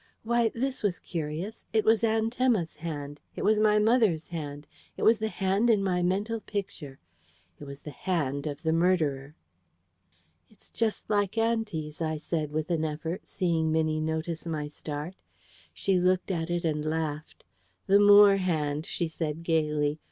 Why, this was curious! It was Aunt Emma's hand: it was my mother's hand: it was the hand in my mental Picture: it was the hand of the murderer! "It's just like auntie's," I said with an effort, seeing Minnie noticed my start. She looked at it and laughed. "The Moore hand," she said gaily.